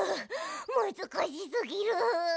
むずかしすぎる！